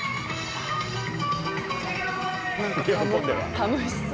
楽しそう。